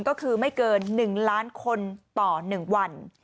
ก็คือไม่เกิน๑ล้านคนต่อ๑วัน